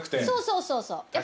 そうそうそうそう。